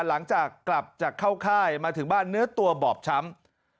หลังจากกลับจากเข้าค่ายมาถึงบ้านเนื้อตัวบอบช้ำ